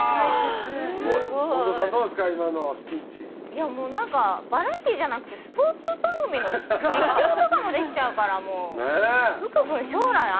いやもうなんかバラエティーじゃなくてスポーツ番組の実況とかもできちゃうからもう福君将来安定だなって思いましたね。